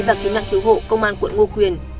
và cứu nạn cứu hộ công an tp ngô quyền